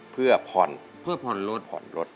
เพื่อผ่อนรถ